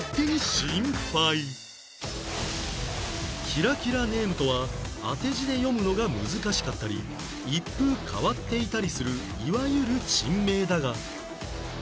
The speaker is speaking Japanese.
キラキラネームとは当て字で読むのが難しかったり一風変わっていたりするいわゆる珍名だが